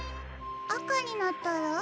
あかになったら？